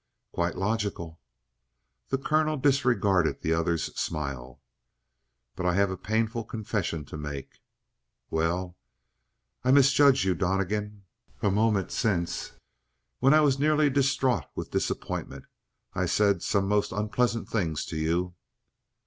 "Quite logical." The colonel disregarded the other's smile. "But I have a painful confession to make." "Well?" "I misjudged you, Donnegan. A moment since, when I was nearly distraught with disappointment, I said some most unpleasant things to you."